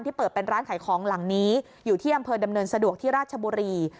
เปิดเป็นร้านขายของหลังนี้อยู่ที่อำเภอดำเนินสะดวกที่ราชบุรี